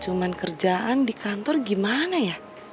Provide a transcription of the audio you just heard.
cuma kerjaan di kantor gimana ya